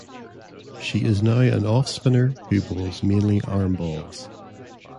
She is now an off spinner who bowls mainly arm balls.